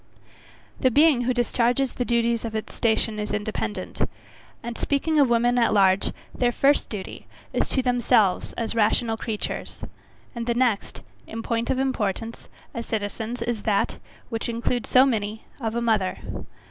The being who discharges the duties of its station, is independent; and, speaking of women at large, their first duty is to themselves as rational creatures, and the next, in point of importance, as citizens, is that, which includes so many, of a mother.